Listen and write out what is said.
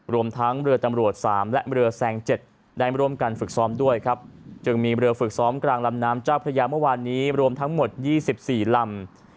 รวมทั้งเรือตำรวจ๓และเรือแซง๗ได้ร่วมกันฝึกซ้อมด้วยครับจึงมีเรือฝึกซ้อมกลางลำน้ำเจ้าพระยาเมื่อวานนี้รวมทั้งหมด๒๔ลำ